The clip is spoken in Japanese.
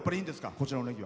こちらは。